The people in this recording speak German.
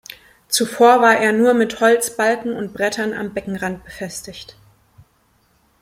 Zuvor war er nur mit Holzbalken und Brettern am Beckenrand befestigt.